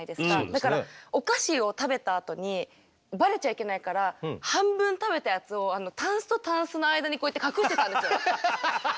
だからお菓子を食べたあとにバレちゃいけないから半分食べたやつをタンスとタンスの間にこうやって隠してたんですよ。